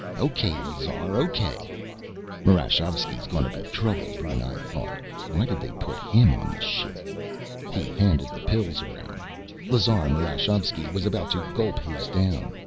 "O.K., Lazar, O.K." Marashovski's gonna be trouble, Brunei thought. Why did they put him on the ship? He handed the pills around. Lazar Marashovski was about to gulp his down.